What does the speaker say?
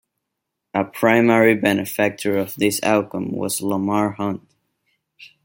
A primary benefactor of this outcome was Lamar Hunt.